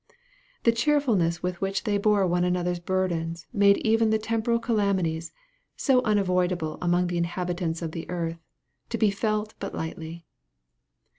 The cheerfulness with which they bore one another's burdens made even the temporal calamities, so unavoidable among the inhabitants of the earth, to be felt but lightly.